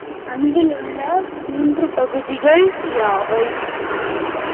அணுவிலுள்ள மூன்று பகுதிகள் யாவை?